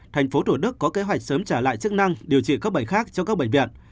thành phố thủ đức có kế hoạch sớm trả lại chức năng điều trị các bệnh khác cho các bệnh viện